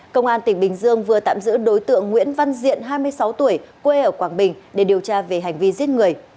công an tỉnh bình dương vừa tạm giữ đối tượng nguyễn văn diện hai mươi sáu tuổi quê ở quảng bình để điều tra về hành vi giết người